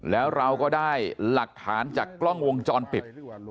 แล้วเราก็ได้หลักฐานจากกล้องวงจรปิด